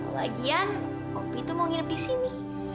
lagian opi tuh mau nginep di sini